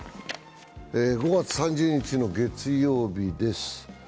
５月３０日月曜日です。